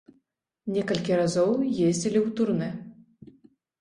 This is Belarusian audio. Некалькі разоў ездзілі ў турне.